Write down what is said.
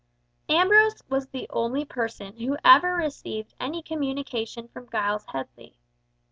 Ambrose was the only person who ever received any communication from Giles Headley.